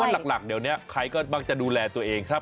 หลักเดี๋ยวนี้ใครก็มักจะดูแลตัวเองครับ